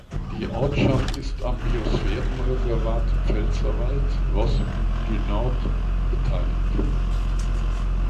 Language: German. Die Ortschaft ist am Biosphärenreservat Pfälzerwald-Vosges du Nord beteiligt.